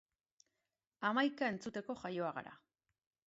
Hamaika entzuteko Jaioak gara!